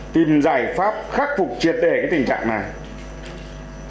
tìm giải pháp khắc phục triệt để cái tình trạng này